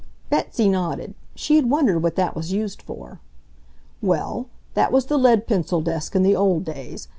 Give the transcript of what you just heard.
Betsy nodded. She had wondered what that was used for. "Well, that was the lead pencil desk in the old days.